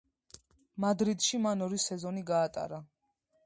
მადრიდში მან ორი სეზონი გაატარა.